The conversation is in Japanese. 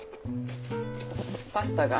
パスタが。